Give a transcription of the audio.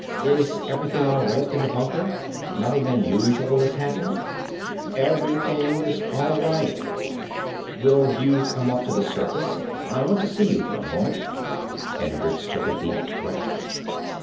"Is everything all right in the bunker? Nothing unusual has happened?" "Everything is all right." "Will you come up to the surface? I want to see you for a moment." Hendricks took a deep breath.